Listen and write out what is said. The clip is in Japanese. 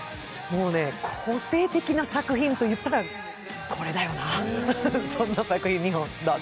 個性的な作品といったらこれだよな、そんな作品２本どうぞ。